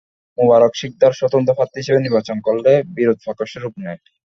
মোবারক সিকদার স্বতন্ত্র প্রার্থী হিসেবে নির্বাচন করলে বিরোধ প্রকাশ্যে রূপ নেয়।